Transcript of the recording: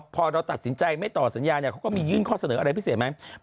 พอเราตัดสินใจไม่ต่อสัญญาเขาก็มียื่นข้อเสนออะไรพิเศษไหม